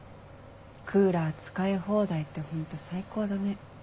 クーラー使い放題ってホント最高だね。